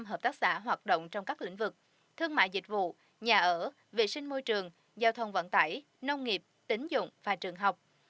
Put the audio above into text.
năm hợp tác xã hoạt động trong các lĩnh vực thương mại dịch vụ nhà ở vệ sinh môi trường giao thông vận tải nông nghiệp tính dụng và trường học